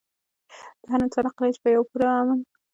هر انسان حق لري چې په پوره امن او سکون کې ژوند وکړي.